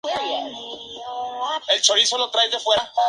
Comenzó su carrera artística participando en musicales, como "Oklahoma!